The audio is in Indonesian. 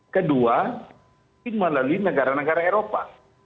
kedua mungkin melalui negara negara eropa